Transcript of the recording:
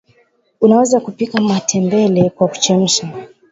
unaweza kupika matembele kwa kuchemsha